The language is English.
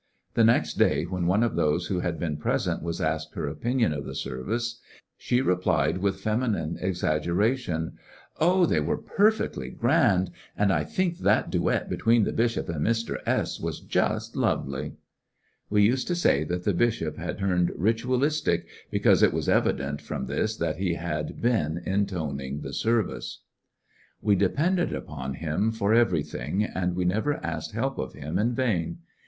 The nest day, when one of those who had been present was asked her opinion of the services, she re* plied with feminine exaggeration : ^'Ohjthey were perfectly grand ; and I think that dnet between the bishop and Mr* 8 was jnst lovely I '^ We used to say that the bishop had turned ritualisticj because it was evident from this that he had been intoning the service. We depended upon him for everything, and Fromding we never asked help of him in vain.